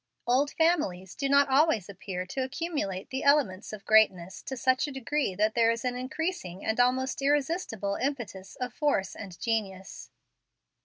Old families do not always appear to accumulate the elements of greatness to such a degree that there is an increasing and almost irresistible impetus of force and genius.